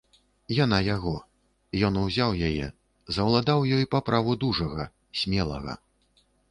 Яна яго, ён узяў яе, заўладаў ёй па праву дужага, смелага.